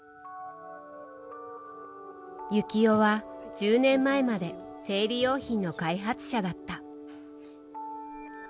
幸男は、１０年前まで生理用品の開発者だった。